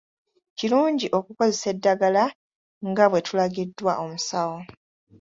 Kirungi okukozesa eddagala nga bwe tulagiddwa omusawo.